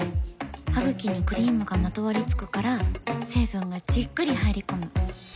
ハグキにクリームがまとわりつくから成分がじっくり入り込む。